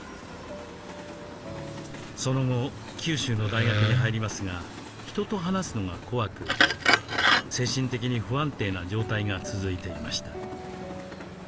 その後九州の大学に入りますが人と話すのが怖く精神的に不安定な状態が続いていました。